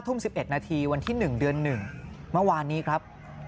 ทุ่ม๑๑นาทีวันที่๑เดือน๑เมื่อวานนี้ครับ